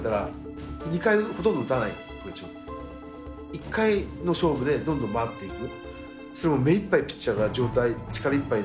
１回の勝負でどんどん回っていく。